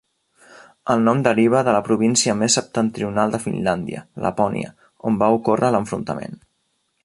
El nom deriva de la província més septentrional de Finlàndia, Lapònia, on va ocórrer l'enfrontament.